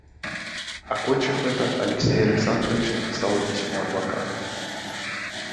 Окончив это, Алексей Александрович написал и письмо адвокату.